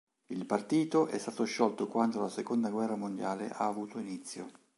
Il partito è stato sciolto quando la seconda guerra mondiale ha avuto inizio.